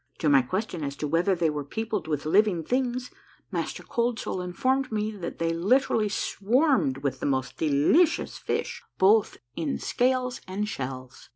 To my question as to whether they were peopled with living things. Master Cold Soul informed me that they literally swarmed with the most delicious fish, both ill scales and shells.